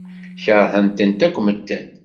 Keṛhen-tent akk medden.